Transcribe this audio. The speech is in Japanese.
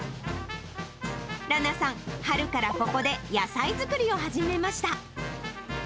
羅名さん、春からここで野菜作りを始めました。